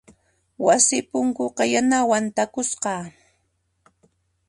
Wasi punkuqa yanawan takusqa.